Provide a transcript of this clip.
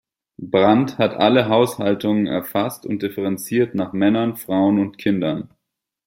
Brandt hat alle Haushaltungen erfasst und differenziert nach Männern, Frauen und Kindern.